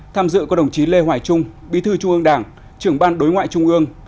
tham dự có đồng chí lê hoài trung bí thư trung ương đảng trưởng ban đối ngoại trung ương